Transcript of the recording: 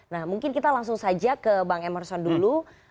nah mungkin kita langsung saja ke bang emerson dulu